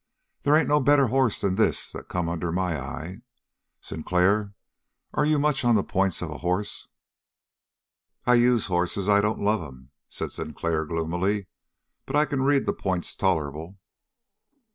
They ain't no better hoss than this that's come under my eye, Sinclair. Are you much on the points of a hoss?" "I use hosses I don't love 'em," said Sinclair gloomily. "But I can read the points tolerable."